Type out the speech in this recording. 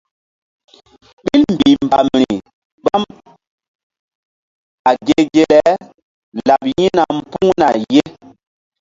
Ɓil mbih mbam ri gbam a ge ge le laɓ yi̧hna mbuŋna ye.